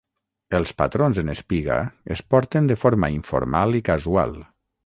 Els patrons en espiga es porten de forma informal i casual.